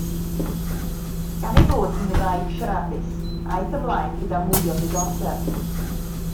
Gan ei bod hi'n wraig siaradus, aeth ymlaen gyda mwy o ddiddordeb.